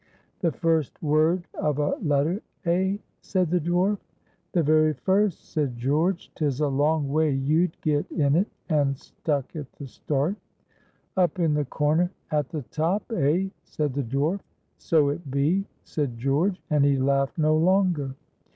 "The first word of a letter, eh?" said the dwarf. "The very first," said George. "'Tis a long way you'd get in it, and stuck at the start!" "Up in the corner, at the top, eh?" said the dwarf. "So it be," said George, and he laughed no longer.